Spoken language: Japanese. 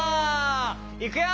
いくよ！